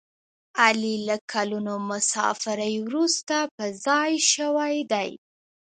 علي له کلونو مسافرۍ ورسته په ځای شوی دی.